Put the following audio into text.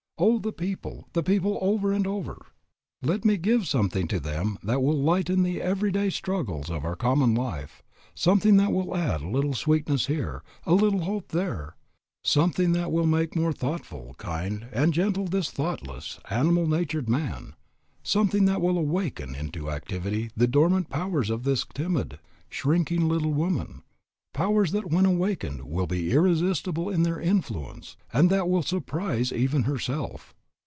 Oh, the people, the people over and over! Let me give something to them that will lighten the every day struggles of our common life, something that will add a little sweetness here, a little hope there, something that will make more thoughtful, kind, and gentle this thoughtless, animal natured man, something that will awaken into activity the dormant powers of this timid, shrinking little woman, powers that when awakened will be irresistible in their influence and that will surprise even herself.